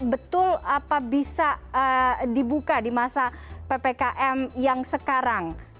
betul apa bisa dibuka di masa ppkm yang sekarang